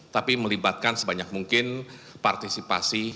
tapi melibatkan sebanyak mungkin partisipasi